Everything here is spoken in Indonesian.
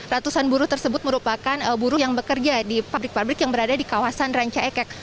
ratusan buruh tersebut merupakan buruh yang bekerja di pabrik pabrik yang berada di kawasan ranca ekek